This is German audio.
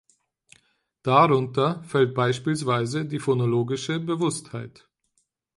Darunter fällt beispielsweise die phonologische Bewusstheit.